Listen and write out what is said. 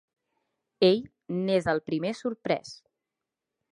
Ell n'és el primer sorprès.